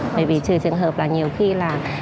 bởi vì trừ trường hợp là nhiều khi là